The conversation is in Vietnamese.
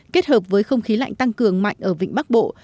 kết hợp với không khí lạnh tăng cường mạnh ở vịnh bắc bộ